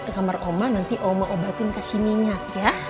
ke kamar oma nanti oma obatin kasih minyak ya